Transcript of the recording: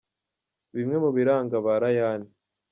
Bimwe mu biranga ba Rayane